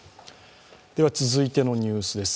続いてのニュースです。